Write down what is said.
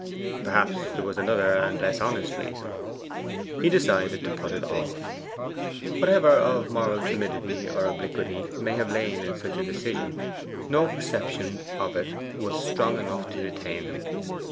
Perhaps there was another and less honest reason. He decided to put it off. Whatever of moral timidity or obliquity may have lain in such a decision, no perception of it was strong enough to detain him.